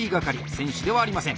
選手ではありません。